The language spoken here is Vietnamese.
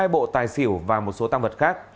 hai bộ tài xỉu và một số tăng vật khác